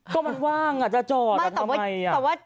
ก็มันว่างอ่ะจะจอดแล้วทำไมอ่ะ